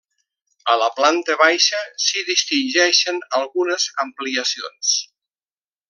A la planta baixa s'hi distingeixen algunes ampliacions.